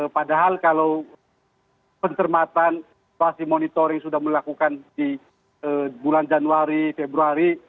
padahal kalau pencermatan situasi monitoring sudah melakukan di bulan januari februari